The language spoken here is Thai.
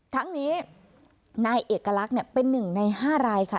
ทั้งนี้นายเอกลักษณ์เป็น๑ใน๕รายค่ะ